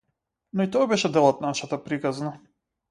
Но и тоа беше дел од нашата приказна.